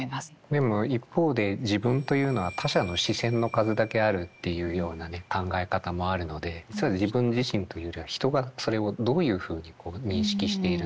でも一方で自分というのは他者の視線の数だけあるっていうようなね考え方もあるので実は自分自身というよりは人がそれをどういうふうに認識しているのか。